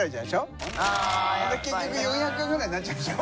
結局４００円ぐらいになっちゃうんでしょ？